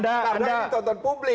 karena ditonton publik